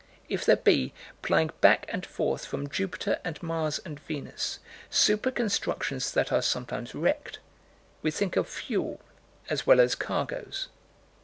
If there be, plying back and forth from Jupiter and Mars and Venus, super constructions that are sometimes wrecked, we think of fuel as well as cargoes.